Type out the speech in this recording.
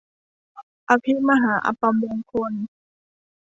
อภิมหาอัปมงคล